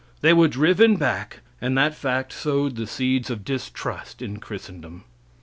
They were driven back, and that fact sowed the seeds of distrust in Christendom.